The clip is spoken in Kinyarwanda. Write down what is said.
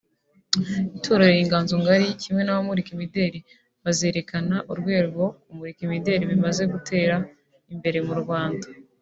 itorero Inganzo ngari kimwe n’abamurika imideri bazerekana urwego kumurika imideri bimaze gutera imbere mu Rwanda